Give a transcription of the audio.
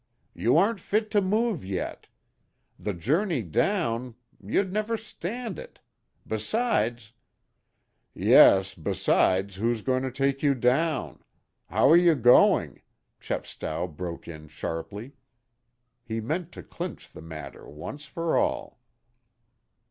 "You aren't fit to move yet. The journey down you'd never stand it. Besides " "Yes, besides, who's to take you down? How are you going?" Chepstow broke in sharply. He meant to clinch the matter once for all.